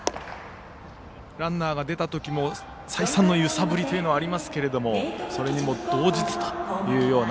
ランナーが出たときも再三の揺さぶりというのはありますけれどもそれにも動じずというような